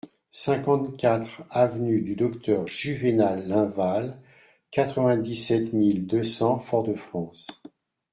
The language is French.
cinquante-quatre avenue du Docteur Juvénal Linval, quatre-vingt-dix-sept mille deux cents Fort-de-France